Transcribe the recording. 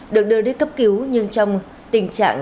được đưa đến cấp cứu nhưng trong tình trạng